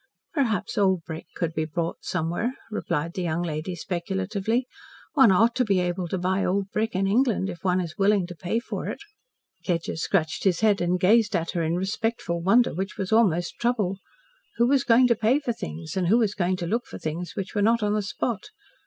"Perhaps old brick could be bought somewhere," replied the young lady speculatively. "One ought to be able to buy old brick in England, if one is willing to pay for it." Kedgers scratched his head and gazed at her in respectful wonder which was almost trouble. Who was going to pay for things, and who was going to look for things which were not on the spot?